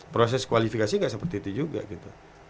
proses kualifikasi gak seperti itu juga